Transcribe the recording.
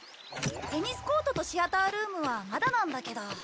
テニスコートとシアタールームはまだなんだけど。